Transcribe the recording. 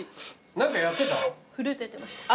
何かやってた？